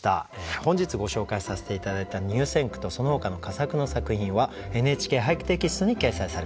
本日ご紹介させて頂いた入選句とそのほかの佳作の作品は「ＮＨＫ俳句」テキストに掲載されます。